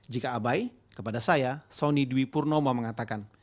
jika abai kepada saya sony dewi purnomo mengatakan